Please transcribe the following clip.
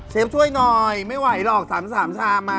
เชฟช่วยหน่อยไม่ไหวหรอกสามมา